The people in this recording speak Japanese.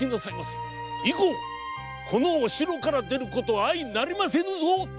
以降このお城から出ることあいなりませぬぞ！